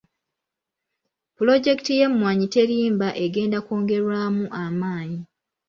Pulojekiti ya Emmwanyi Terimba egenda kwongerwamu amaanyi.